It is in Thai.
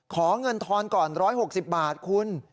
ขอเงินทอนก่อน๑๖๐บาทคุณ